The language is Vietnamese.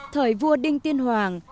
thời vua đinh tiên hoàng